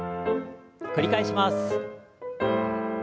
繰り返します。